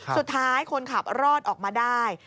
สุดท้ายคนขับรอดออกมาได้